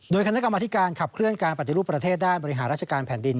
โดยคณะกรรมธิการขับเคลื่อนการปฏิรูปประเทศด้านบริหารราชการแผ่นดิน